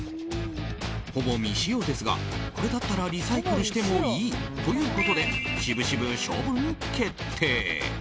ほぼ未使用ですが、これだったらリサイクルしてもいいということで渋々、処分決定。